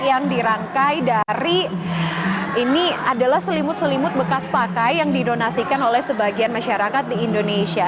yang dirangkai dari ini adalah selimut selimut bekas pakai yang didonasikan oleh sebagian masyarakat di indonesia